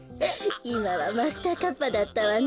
いまはマスターカッパーだったわね。